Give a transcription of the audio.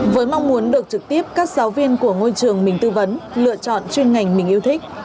với mong muốn được trực tiếp các giáo viên của ngôi trường mình tư vấn lựa chọn chuyên ngành mình yêu thích